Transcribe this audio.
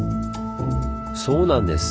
そうなんです。